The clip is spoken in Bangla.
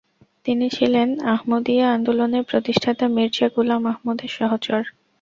তিনি ছিলেন আহমদিয়া আন্দোলনের প্রতিষ্ঠাতা মির্জা গোলাম আহমদের সহচর।